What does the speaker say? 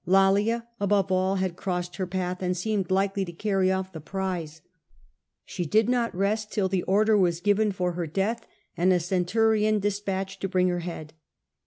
Lollia above all had crossed her path, and seemed likely to carry off especially the prize. She did not rest till the order Lollia; given for her death and a centurion despatched to bring her head.